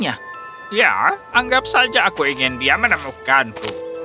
ya anggap saja aku ingin dia menemukanku